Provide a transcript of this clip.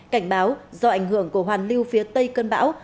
cảnh báo do ảnh hưởng của hoàn lưu phía tây cơn bão